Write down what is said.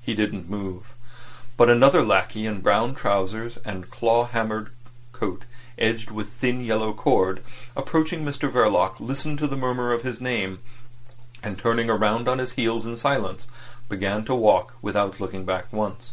He didn't move; but another lackey, in brown trousers and claw hammer coat edged with thin yellow cord, approaching Mr Verloc listened to the murmur of his name, and turning round on his heel in silence, began to walk, without looking back once.